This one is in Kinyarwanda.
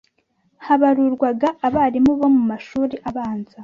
habarurwaga abalimu bo mu mashuri abanza